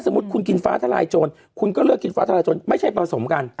มุติคุณกินฟ้าทลายโจรคุณก็เลือกกินฟ้าทลายโจรไม่ใช่ผสมกัน